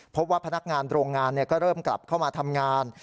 พบว่าพนักงานโรงงานก็เริ่มกลับเข้ามาทำงาน